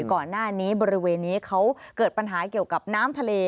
ก่อนหน้านี้บริเวณนี้เขาเกิดปัญหาเกี่ยวกับน้ำทะเล